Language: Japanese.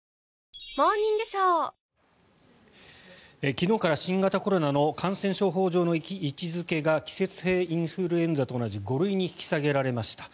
昨日から新型コロナの感染症法上の位置付けが季節性インフルエンザと同じ５類に引き下げられました。